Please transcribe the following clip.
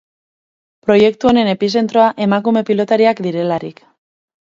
Proiektu honen epizentroa emakume pilotariak direlarik.